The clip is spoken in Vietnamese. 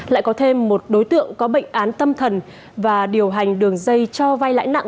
lại có thêm một đối tượng có bệnh án tâm thần và điều hành đường dây cho vay lãi nặng